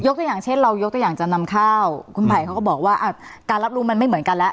ตัวอย่างเช่นเรายกตัวอย่างจะนำข้าวคุณไผ่เขาก็บอกว่าการรับรู้มันไม่เหมือนกันแล้ว